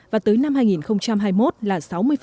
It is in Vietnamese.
và tới năm hai nghìn hai mươi một là sáu mươi